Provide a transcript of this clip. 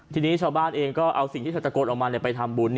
ทีนี้ชาวบ้านเองก็เอาสิ่งที่เธอตะโกนออกมาไปทำบุญ